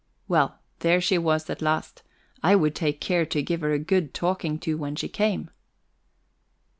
Well, there she was at last; I would take care to give her a good talking to when she came!